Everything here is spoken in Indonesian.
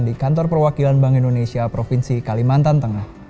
di kantor perwakilan bank indonesia provinsi kalimantan tengah